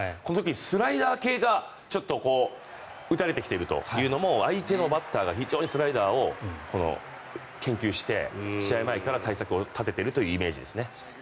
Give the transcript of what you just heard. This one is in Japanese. スライダー系が打たれてきているというのも相手のバッターが非常にスライダーを研究して試合前から対策を立てているイメージです。